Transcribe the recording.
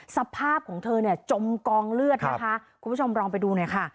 สภาพของเธอเนี่ยจมกองเลือดนะคะคุณผู้ชมลองไปดูหน่อยค่ะ